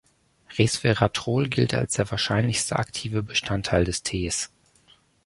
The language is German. Resveratrol gilt als der wahrscheinlichste aktive Bestandteil des Tees.